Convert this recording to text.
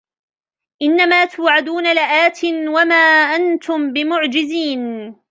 إِنَّ مَا تُوعَدُونَ لَآتٍ وَمَا أَنْتُمْ بِمُعْجِزِينَ